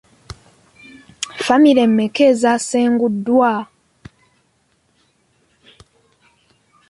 Famire mmeka ezaasenguddwa?